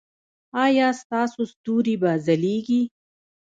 ایا ستاسو ستوري به ځلیږي؟